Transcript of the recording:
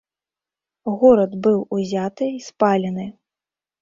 Горад быў узяты і спалены.